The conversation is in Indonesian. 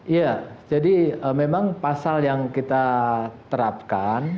iya jadi memang pasal yang kita terapkan